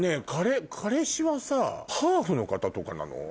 彼氏はさハーフの方とかなの？